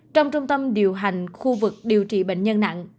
trong trung tâm điều hành khu vực điều trị bệnh nhân nặng